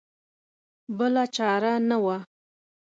بله چاره نه وه.